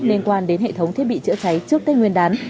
liên quan đến hệ thống thiết bị chữa cháy trước tết nguyên đán